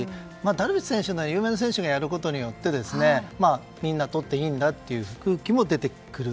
ダルビッシュ選手など有名な選手がやることによってみんな、取っていいんだという空気も出てくる。